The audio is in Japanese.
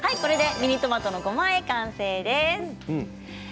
ミニトマトのごまあえ完成です。